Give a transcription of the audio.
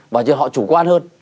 và họ chủ quan hơn